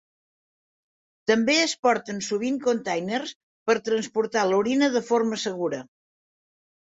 També es porten sovint containers per transportar l'orina de forma segura.